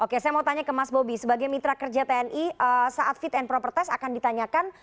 oke saya mau tanya ke mas bobi sebagai mitra kerja tni saat fit and proper test akan ditanyakan